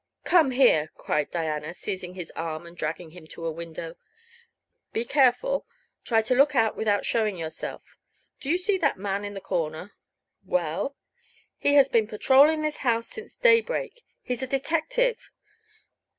"Come here!" cried Diana, seizing his arm and dragging him to a window. "Be careful; try to look out without showing yourself. Do you see that man on the corner?" "Well?" "He has been patrolling this house since day break. He's a detective!"